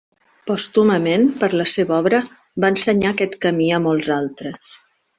Pòstumament per la seva obra va ensenyar aquest camí a molts altres.